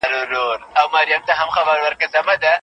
زموږ او ستاسو مسئوليت دادی چي د نجلۍ او هلک څخه نظر واخلو